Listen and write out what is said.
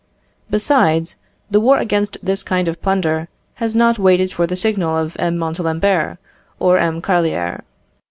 Besides, the war against this kind of plunder has not waited for the signal of M. Montalembert or M. Carlier.